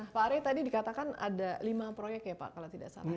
pak ari tadi dikatakan ada lima proyek ya pak kalau tidak salah